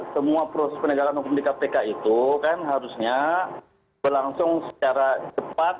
semua proses penegakan hukum di kpk itu kan harusnya berlangsung secara cepat